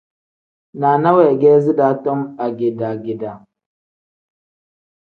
Naana weegedi daa tom agedaa-gedaa.